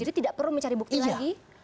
jadi tidak perlu mencari bukti lagi